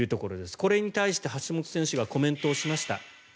これに対して橋本選手がコメントをしました。